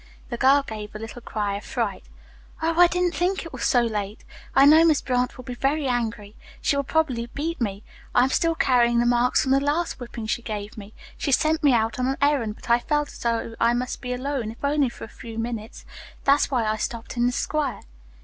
The girl gave a little cry of fright. "Oh, I didn't think it was so late. I know Miss Brant will be very angry. She will probably beat me. I am still carrying the marks from the last whipping she gave me. She sent me out on an errand, but I felt as though I must be alone, if only for a few minutes. That's why I stopped in the square."